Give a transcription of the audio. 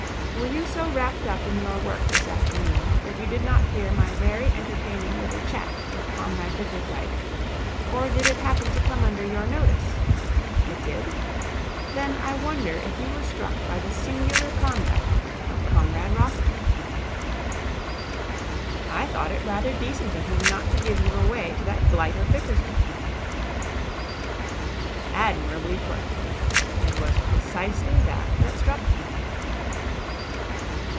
Were you so wrapped up in your work this afternoon that you did not hear my very entertaining little chat with Comrade Bickersdyke, or did it happen to come under your notice? It did? Then I wonder if you were struck by the singular conduct of Comrade Rossiter?' 'I thought it rather decent of him not to give you away to that blighter Bickersdyke.' 'Admirably put. It was precisely that that struck me.